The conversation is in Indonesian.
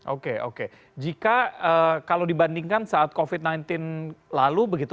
oke oke jika kalau dibandingkan saat covid sembilan belas lalu begitu